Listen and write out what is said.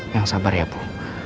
yang sabar ya bu